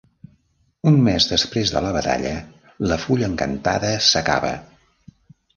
Un mes després de la batalla, la fulla encantada s'acaba.